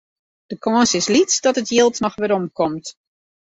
De kâns is lyts dat it jild noch werom komt.